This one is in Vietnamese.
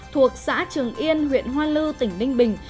thuộc xã trường yên huyện hoa lư tỉnh ninh bình